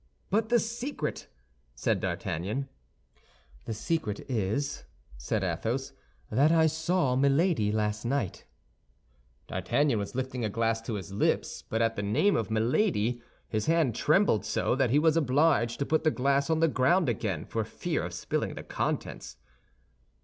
"But the secret!" said D'Artagnan. "The secret is," said Athos, "that I saw Milady last night." D'Artagnan was lifting a glass to his lips; but at the name of Milady, his hand trembled so, that he was obliged to put the glass on the ground again for fear of spilling the contents."